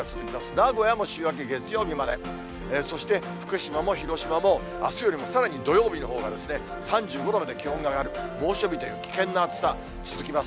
名古屋も週明け月曜日まで、そして福島も広島も、あすよりもさらに土曜日のほうが、３５度まで気温が上がる猛暑日という危険な暑さ続きます。